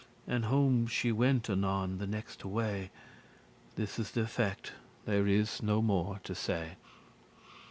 And home she went anon the nexte* way. *nearest This is th' effect, there is no more to say.